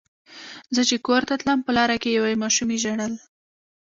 زه چې کور ته تلم په لاره کې یوې ماشومې ژړل.